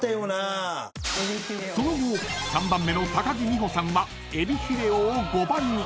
［その後３番目の木美帆さんはえびフィレオを５番に］